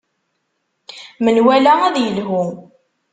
Menwala ad yelhu.